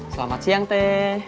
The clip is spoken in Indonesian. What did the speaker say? selamat siang teh